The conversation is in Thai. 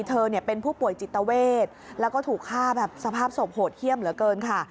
เธอเป็นผู้ป่วยจิตเวทแล้วก็ถูกฆ่าแบบสภาพศพโหดเยี่ยมเหลือเกินค่ะ